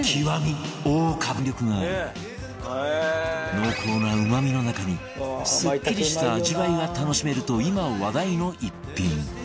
濃厚なうまみの中にすっきりした味わいが楽しめると今話題の逸品